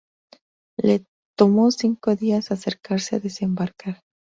Le tomó cinco días acercarse y desembarcar.